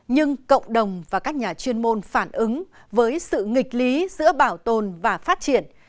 nhưng cộng đồng và các nhà chuyên môn phản ứng với sự nghịch lý giữa bảo tồn và phát triển